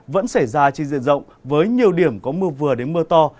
vẫn xảy ra trên diện rộng với nhiều điểm có mưa vừa đến mưa to